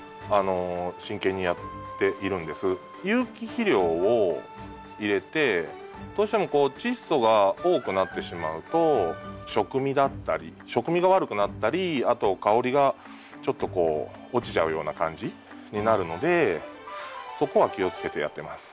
有機肥料を入れてどうしてもこうチッ素が多くなってしまうと食味だったり食味が悪くなったりあと香りがちょっとこう落ちちゃうような感じになるのでそこは気をつけてやってます。